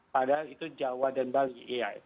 padahal itu jawa dan bali